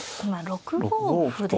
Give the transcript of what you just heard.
６五歩と。